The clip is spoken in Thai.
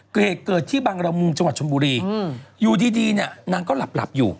เหตุเกิดที่บางระมุมจังหวัดชมบูรีอยู่ดีนางเขาหลับอยู่